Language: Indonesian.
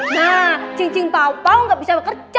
nah jeng jeng pau pau gak bisa bekerja